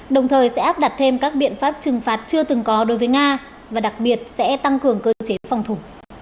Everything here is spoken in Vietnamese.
đồng thời sẽ áp đặt thêm các biện pháp trừng phạt chưa từng có đối với nga và đặc biệt sẽ tăng cường cơ chế phòng thủ